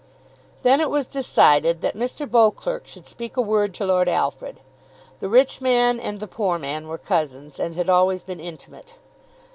Then it was decided that Mr. Beauclerk should speak a word to Lord Alfred. The rich man and the poor man were cousins, and had always been intimate.